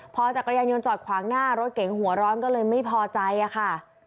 พอจักรยานยนต์จอดขวางหน้ารถเก๋งหัวร้อนก็เลยไม่พอใจค่ะ